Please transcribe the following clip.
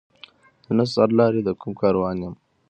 زه نه سر لاری د کوم کاروان یم